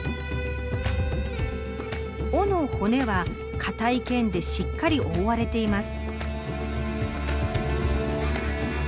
尾の骨は硬い腱でしっかり覆われています。